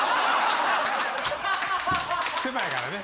狭いからね。